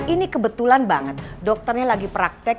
ini kebetulan banget dokternya lagi praktek